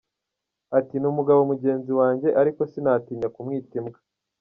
Ati: “Ni umugabo mugenzi wanjye ariko sinatinya kumwita Imbwa”.